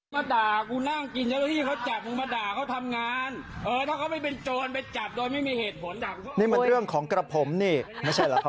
ไม่ใช่หรือเขาไม่ได้พูดเพราะแบบนี้หรือ